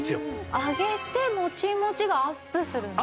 揚げてもちもちがアップするんですね？